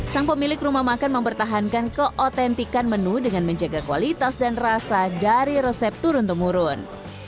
sang pemilik rumah makan mempertahankan keautentikan menu dengan menjaga kualitas dan rasa dari resep turun temurun